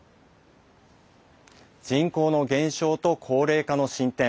人口の減少と高齢化の進展